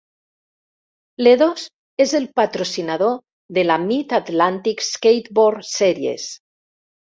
Ledo's és el patrocinador de la Mid-Atlantic Skateboard Series.